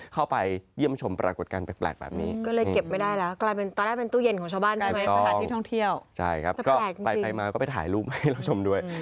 ใครมาก็ไปถ่ายรูปให้เราชมด้วย